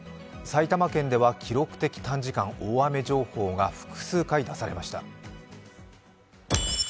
埼玉県では記録的短時間大雨情報が複数回出されました。